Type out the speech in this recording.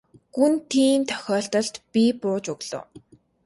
Гүн тийм тохиолдолд би бууж өглөө.